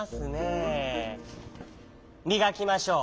みがきましょう！